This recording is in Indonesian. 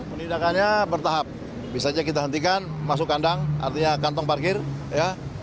penindakannya bertahap bisa saja kita hentikan masuk kandang artinya kantong parkir ya